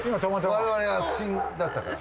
我々が不審だったから？